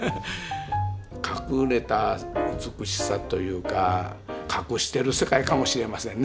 隠れた美しさというか隠してる世界かもしれませんね